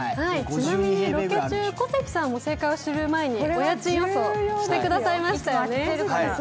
ロケ中、小関さんも正解を知る前にお家賃予想をしてくださいました。